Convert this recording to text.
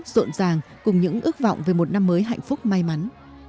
rộn ràng cùng những ước vọng về một năm mới hạnh phúc may mắn